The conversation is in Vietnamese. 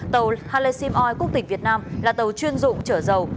tàu thalesim oil cục tỉnh việt nam là tàu chuyên dụng chở dầu